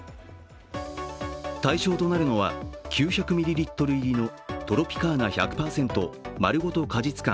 対象となるのは、９００ｍｍリットル入りのトロピカーナ１００％まるごと果実感